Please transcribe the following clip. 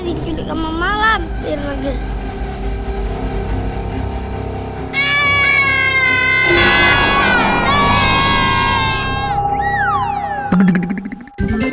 diculik sama malam biar lagi